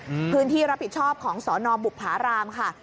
พื้นที่รับผิดชอบของสอนอบุภารามค่ะ